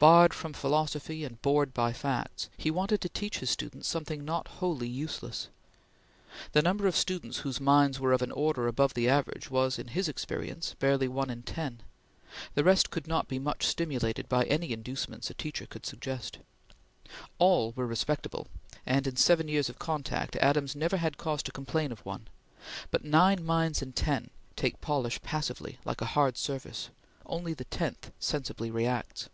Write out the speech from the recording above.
Barred from philosophy and bored by facts, he wanted to teach his students something not wholly useless. The number of students whose minds were of an order above the average was, in his experience, barely one in ten; the rest could not be much stimulated by any inducements a teacher could suggest. All were respectable, and in seven years of contact, Adams never had cause to complain of one; but nine minds in ten take polish passively, like a hard surface; only the tenth sensibly reacts.